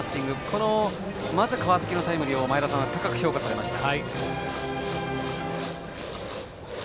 この川崎のタイムリーを前田さんは高く評価されました。